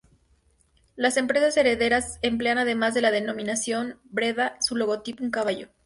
Las empresas herederas emplean además de la denominación Breda su logotipo: un caballo.